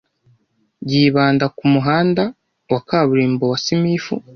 yibanda kumuhanda wa kaburimbo wa Simifu